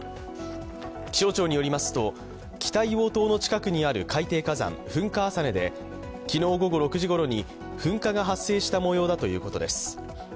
気象庁によりますと北硫黄島の地下にある海底火山、噴火浅根で昨日午後６時ごろに噴火が発生した模様だということです。